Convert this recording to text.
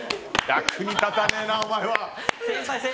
役に立たねえな、お前は。